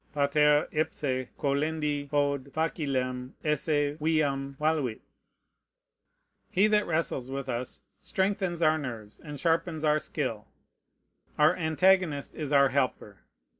Pater ipse colendi haud facilem esse viam voluit. He that wrestles with us strengthens our nerves and sharpens our skill. Our antagonist is our helper.